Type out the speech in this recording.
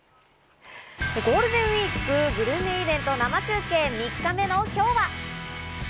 ゴールデンウイークグルメイベント生中継、３日目の今日は。